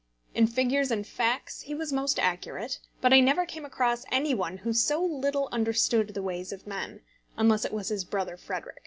In figures and facts he was most accurate, but I never came across any one who so little understood the ways of men, unless it was his brother Frederic.